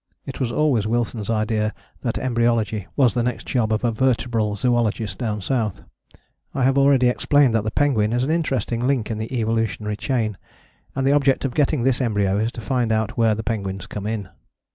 It was always Wilson's idea that embryology was the next job of a vertebral zoologist down south. I have already explained that the penguin is an interesting link in the evolutionary chain, and the object of getting this embryo is to find out where the penguins come in.